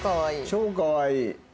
超かわいい。